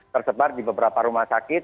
tersebar di beberapa rumah sakit